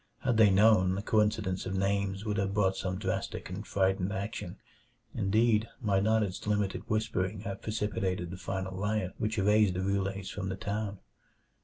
Had they known, the coincidence of names would have brought some drastic and frightened action indeed, might not its limited whispering have precipitated the final riot which erased the Roulets from the town?